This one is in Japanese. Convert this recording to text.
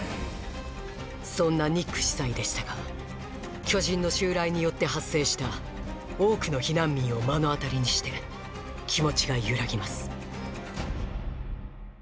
そんなニック司祭でしたが巨人の襲来によって発生した多くの避難民を目の当たりにして気持ちが揺らぎます